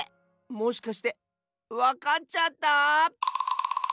もしかしてわかっちゃった？